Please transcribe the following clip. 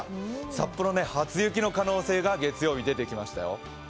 札幌、初雪の可能性が月曜日出てきましたよ。